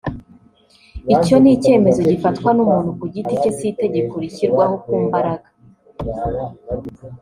Icyo ni icyemezo gifatwa n’umuntu ku giti cye si itegeko rishyirwaho ku mbaraga